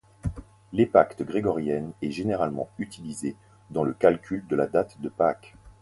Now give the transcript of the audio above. L'épacte grégorienne est généralement utilisée dans le calcul de la date de Pâques.